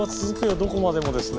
どこまでもですね。